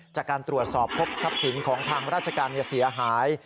จากการตรวจสอบพบทรัพย์สินของทางราชการเสียหาย